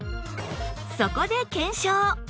そこで検証